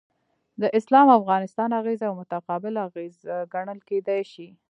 د اسلام او افغانستان اغیزه یو متقابل اغیز ګڼل کیدای شي.